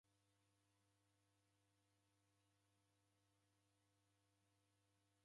Linu ni ituku japo jevalwa.